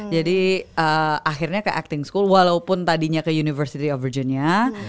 jadi akhirnya ke acting school walaupun tadinya ke university of virginia